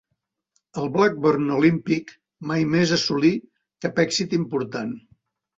El Blackburn Olympic mai més assolí cap èxit important.